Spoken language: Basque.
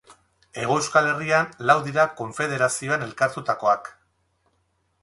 Hego Euskal Herrian lau dira konfederazioan elkartutakoak.